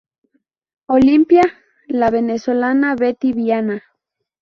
Olympia, la venezolana Betty Viana.